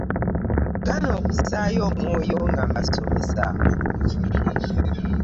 Wagaana okussaayo omwoyo nga basomesa.